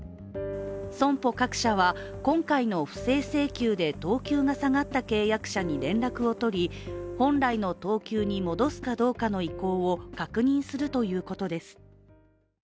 損保各社は、今回の不正請求で等級が下がった契約者に連絡を取り本来の等級に戻すかどうかの意向を確認するということです。